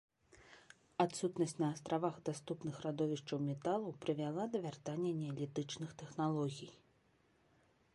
Адсутнасць на астравах даступных радовішчаў металаў прывяла да вяртання неалітычных тэхналогій.